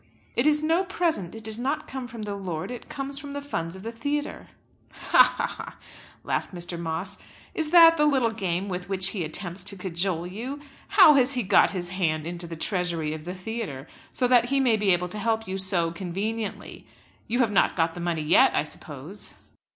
"It is no present. It does not come from the lord; it comes from the funds of the theatre." "Ha, ha, ha!" laughed Mr. Moss. "Is that the little game with which he attempts to cajole you? How has he got his hand into the treasury of the theatre, so that he may be able to help you so conveniently? You have not got the money yet, I suppose?"